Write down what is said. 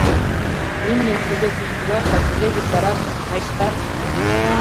— Имньым кузе кушкыжаш да кузе виктараш, мый шкат...